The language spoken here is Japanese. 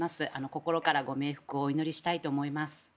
心からご冥福をお祈りしたいと思います。